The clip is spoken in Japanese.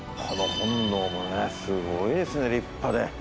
この本堂もねすごいですね立派で。